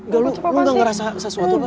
gak lo gak ngerasa sesuatu apa